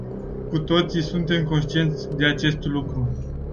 Cu toții suntem conștienți de acest lucru.